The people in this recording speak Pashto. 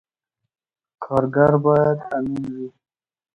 کارګر باید امین وي